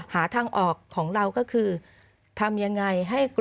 หาทางออกของเราก็คือทำยังไงให้โรงพยาบาลนะครับ